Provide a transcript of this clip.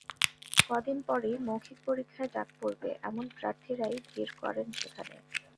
কদিন পরই মৌখিক পরীক্ষায় ডাক পড়বে এমন প্রার্থীরাই ভিড় করেন সেখানে।